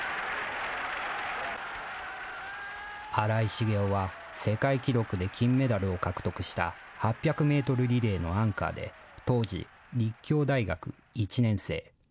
新井茂雄は世界記録で金メダルを獲得した８００メートルリレーのアンカーで、当時、立教大学１年生。